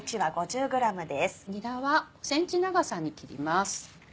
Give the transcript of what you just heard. にらは５ｃｍ長さに切ります。